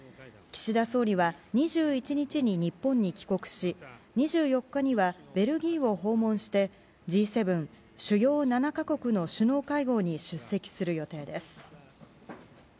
岸田総理は２１日に日本に帰国し２４日にはベルギーを訪問してＧ７・主要７か国の首脳会合に出席する予定です。